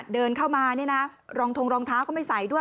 เดินเข้ามารองทงรองเท้าก็ไม่ใส่ด้วย